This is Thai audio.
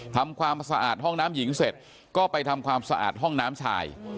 ทำความสะอาดห้องน้ำหญิงเสร็จก็ไปทำความสะอาดห้องน้ำชาย